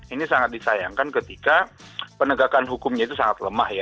ini sangat disayangkan ketika penegakan hukumnya itu sangat lemah ya